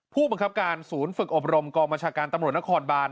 ผู้บังคับการศูนย์ฝึกอบรมกองบัญชาการตำรวจนครบาน